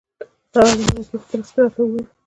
هغه د مرکې په ترڅ کې راته وویل.